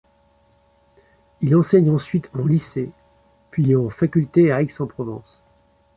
Il enseigne ensuite en Lycée puis en faculté à Aix-en-Provence.